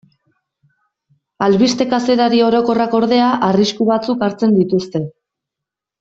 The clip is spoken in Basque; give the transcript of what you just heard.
Albiste-kazetari orokorrak, ordea, arrisku batzuk hartzen dituzte.